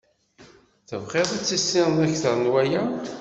Tebɣiḍ ad tissineḍ akter n waya.